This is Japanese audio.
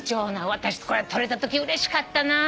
私これ撮れたときうれしかった。